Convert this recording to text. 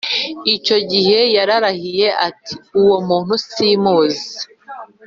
icyo gihe yararahiye ati, “uwo muntu simuzi